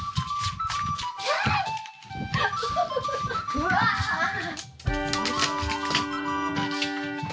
うわあっ！